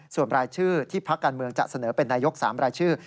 ส่วนรายชื่อที่พักการเมืองจะเสนอเป็นนายก๓รายชื่อ